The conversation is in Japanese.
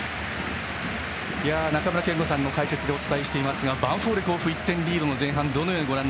中村憲剛さんの解説でお伝えしていますがヴァンフォーレ甲府１点リードの前半。